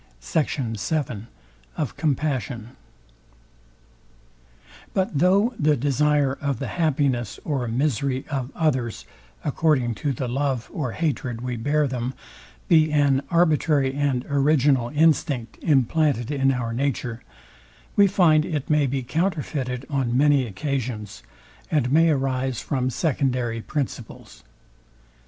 SECT. VII OF COMPASSION But though the desire of the happiness or misery of others, according to the love or hatred we bear them, be an arbitrary and original instinct implanted in our nature, we find it may be counterfeited on many occasions, and may arise from secondary principles.